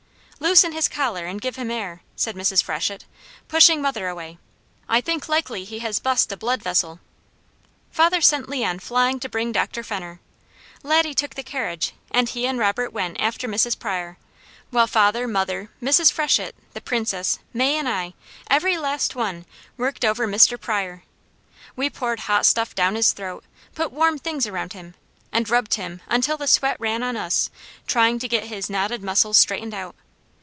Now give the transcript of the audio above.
"Loosen his collar and give him air," said Mrs. Freshett pushing mother away. "I think likely he has bust a blood vessel." Father sent Leon flying to bring Dr. Fenner. Laddie took the carriage and he and Robert went after Mrs. Pryor, while father, mother, Mrs. Freshett, the Princess, May, and I, every last one, worked over Mr. Pryor. We poured hot stuff down his throat, put warm things around him, and rubbed him until the sweat ran on us, trying to get his knotted muscles straightened out.